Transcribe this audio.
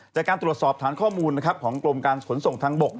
จากการตรวจสอบฐานข้อมูลของกรมการขนส่งทางบก